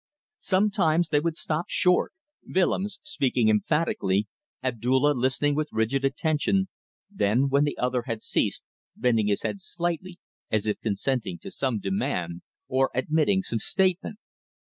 Sometimes they would stop short, Willems speaking emphatically, Abdulla listening with rigid attention, then, when the other had ceased, bending his head slightly as if consenting to some demand, or admitting some statement.